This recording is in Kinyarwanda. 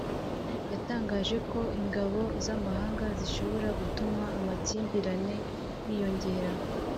yatangaje ko ingabo z’amahanga zishobora gutuma amakimbirane yiyongera